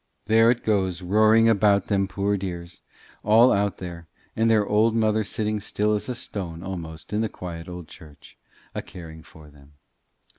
There it goes roaring about them poor dears, all out there; and their old mother sitting still as a stone almost in the quiet old church, a caring for them.